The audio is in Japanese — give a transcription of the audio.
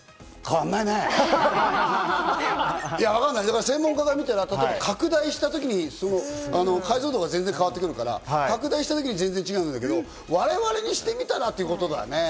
わかんない、専門家が見たら拡大した時に解像度が全然変わってくるから、拡大したときに全然違うんだけど、我々にしてみたらということだね。